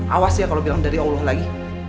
awas ya kalau bilang dari allah lagi